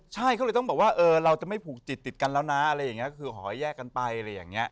ใช่เขาเลยต้องบอกว่าเราจะไม่ผูกจิตติดกันแล้วนะอะไรอย่างนี้คือขอให้แยกกันไปอะไรอย่างนี้